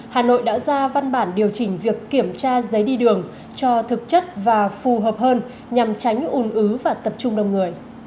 hà nội đã ra văn bản điều chỉnh việc kiểm tra giấy đi đường cho thực chất và phù hợp hơn nhằm tránh un ứ và tập trung đông người